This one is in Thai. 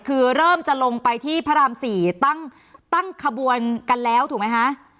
คือเริ่มจะลงไปที่พระราม๔ตั้งขบวนกันแล้วถูกไหมคะ